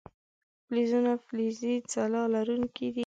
فلزونه فلزي ځلا لرونکي دي.